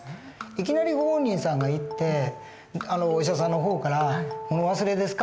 いきなりご本人さんが行ってお医者さんの方から「物忘れですか？」